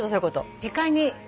時間に。